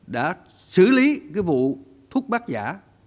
đã xử lý cái vụ thuốc bác giả